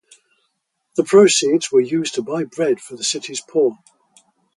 The proceeds were used to buy bread for the city's poor.